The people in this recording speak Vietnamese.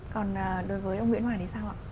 còn đối với ông nguyễn hoàng thì sao ạ